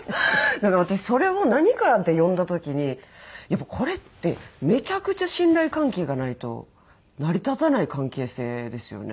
私それを何かで読んだ時にやっぱこれってめちゃくちゃ信頼関係がないと成り立たない関係性ですよね。